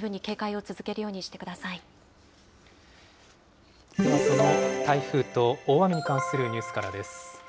ではその台風と大雨に関するニュースからです。